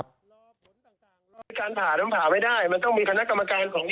เพราะเป็นการผ่าศพในครั้งที่สอง